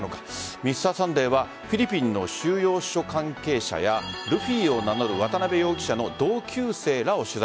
「Ｍｒ．サンデー」はフィリピンの収容所関係者やルフィを名乗る渡辺容疑者の同級生らを取材。